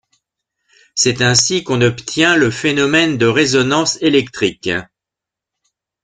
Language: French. C'est ainsi qu'on obtient le phénomène de résonance électrique.